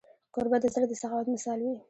کوربه د زړه د سخاوت مثال وي.